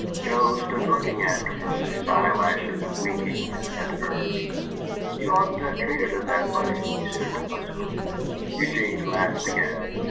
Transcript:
Joe stood looking after her, his eyelashes winking as had hers. "You oughtn't to have treated her that way," he said, huskily. Eugene laughed again.